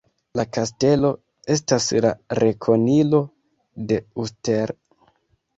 La kastelo estas la rekonilo de Uster.